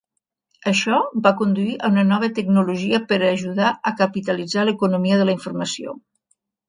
Això va conduir a una nova tecnologia per ajudar a capitalitzar l'economia de la informació.